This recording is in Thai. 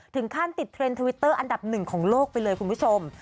ถึงขั้นติดเทรนด์ทวิตเตอร์อันดับหนึ่งของโลกไปเลยคุณผู้ชม